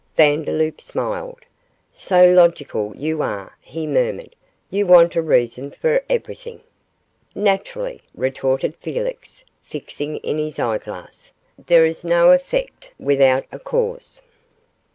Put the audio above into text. Vandeloup smiled. 'So logical you are,' he murmured, 'you want a reason for everything.' 'Naturally,' retorted Felix, fixing in his eyeglass, 'there is no effect without a cause.